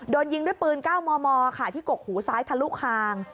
โดนยิงด้วยปืน๙มมค่ะที่กกหูซ้ายทะลุคาง